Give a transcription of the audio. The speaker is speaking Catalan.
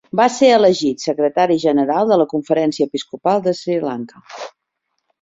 Va ser elegit Secretari General de la Conferència Episcopal de Sri Lanka.